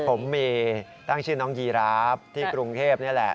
ผมมีตั้งชื่อน้องยีราฟที่กรุงเทพนี่แหละ